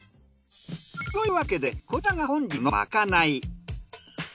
というわけでこちらが本日のまかない。